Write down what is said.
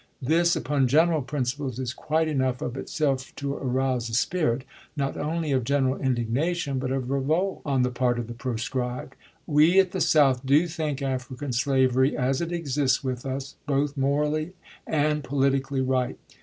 This, upon general principles, is quite enough of itself to arouse a spirit not only of general in dignation, but of revolt on the part of the proscribed. .. We at the South do think African slavery, as it exists with us, both morally and politically right.